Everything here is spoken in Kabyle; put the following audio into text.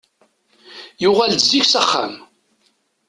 Yuɣal-d zik s axxam.